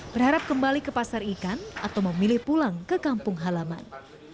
berharap kembali ke pasar ikan atau memilih pulang ke kampung halaman